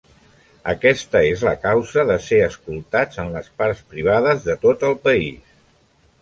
Aquesta és la causa de ser escoltats en les parts privades de tot el país.